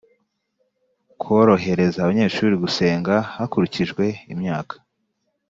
korohereza abanyeshuri gusenga hakurikijwe imyaka